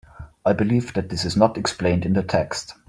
I believe that this is not explained in the text.